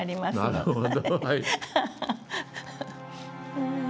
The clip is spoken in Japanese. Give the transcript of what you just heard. なるほど。